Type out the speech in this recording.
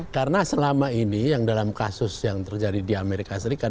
karena selama ini yang dalam kasus yang terjadi di amerika serikat